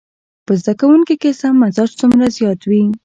په زده کوونکي کې سم مزاج څومره زيات وي.